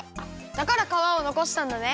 だからかわをのこしたんだね。